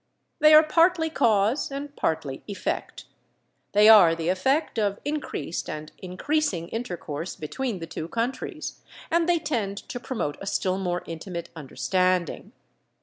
They are partly cause and partly effect. They are the effect of increased and increasing intercourse between the two countries, and they tend to promote a still more intimate understanding.